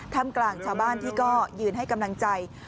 ทำกลางชาวบ้านที่ก็ยืนให้กำลังใจ